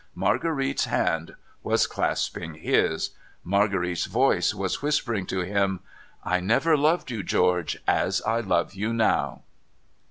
Marguerite's hand was clasping his. Marguerite's voice was whispering to him :' I never loved you, George, as I love you now